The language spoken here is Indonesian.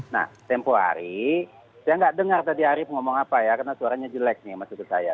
nah tempoh hari saya nggak dengar tadi arief ngomong apa ya karena suaranya jelek nih maksud saya